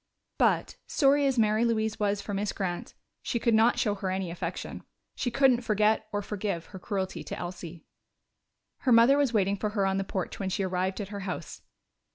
But, sorry as Mary Louise was for Miss Grant, she could not show her any affection. She couldn't forget or forgive her cruelty to Elsie. Her mother was waiting for her on the porch when she arrived at her house.